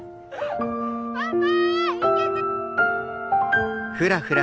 パパ！